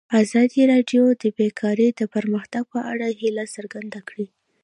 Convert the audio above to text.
ازادي راډیو د بیکاري د پرمختګ په اړه هیله څرګنده کړې.